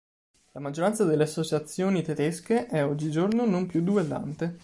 La maggioranza delle associazioni tedesche è oggigiorno non più duellante.